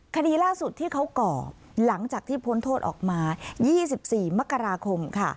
คดีล่าสุดที่เขาก่อหลังจากที่พ้นโทษออกมา๒๔มกราคมค่ะ